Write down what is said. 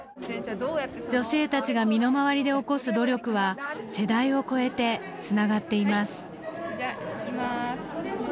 女性たちが身の回りで起こす努力は世代を超えてつながっています。